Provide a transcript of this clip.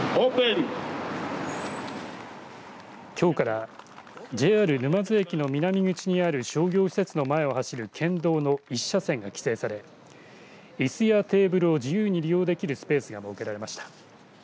きょうからＪＲ沼津駅の南口にある商業施設の前を走る県道の一車線が規制されいすやテーブルを自由に利用できるスペースが設けられました。